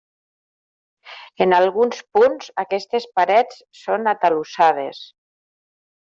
En alguns punts aquestes parets són atalussades.